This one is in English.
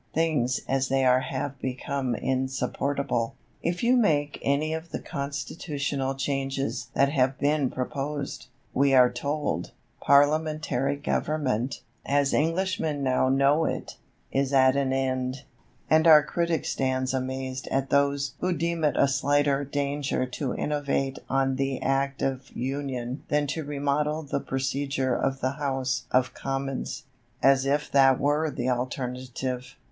Things as they are have become insupportable. If you make any of the constitutional changes that have been proposed, we are told, parliamentary government, as Englishmen now know it, is at an end; and our critic stands amazed at those "who deem it a slighter danger to innovate on the Act of Union than to remodel the procedure of the House of Commons." As if that were the alternative.